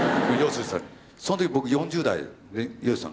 その時僕４０代で陽水さん